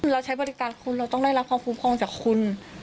เราใช้บริการคุณเราต้องได้รับความคุ้มครองจากคุณ